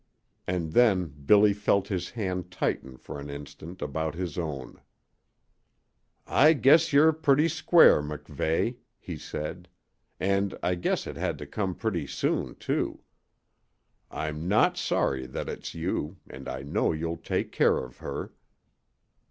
And then Billy felt his hand tighten for an instant about his own. "I guess you're pretty square, MacVeigh," he said, "and I guess it had to come pretty soon, too. I'm not sorry that it's you and I know you'll take care of her."